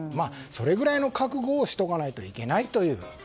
それぐらいの覚悟をしておかないといけないという。